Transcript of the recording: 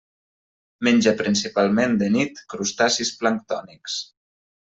Menja principalment de nit crustacis planctònics.